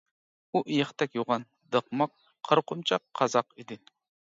ئۇ ئېيىقتەك يوغان، دىقماق، قارا قۇمچاق قازاق ئىدى.